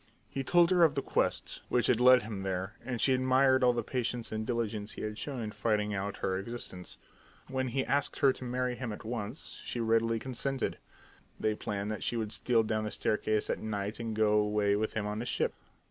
He told her of the quest which had led him there, and she admired all the patience and diligence he had shown in finding out her existence. When he asked her to marry him at once, she readily consented. They planned that she should steal down the staircase at night and go away with him on his ship.